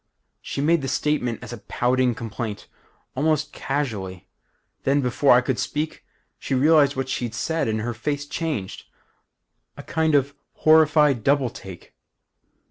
"She made the statement as a pouting complaint, almost casually. Then, before I could speak, she realized what she'd said and her face changed. A kind of horrified double take.